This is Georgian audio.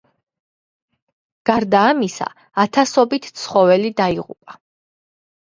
გარდა ამისა, ათასობით ცხოველი დაიღუპა.